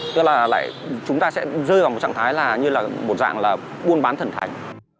tức là chúng ta sẽ rơi vào một trạng thái như là một dạng buôn bán thần thành